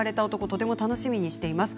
とても楽しみにしています。